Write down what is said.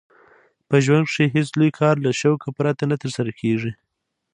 په ژوند کښي هېڅ لوى کار له شوقه پرته نه ترسره کېږي.